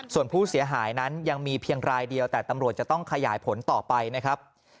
ส่วนผู้เสียหายนั้นยังมีเพียงรายเดียวแต่ตำรวจจะต้องขยายผลต่อไปนะครับ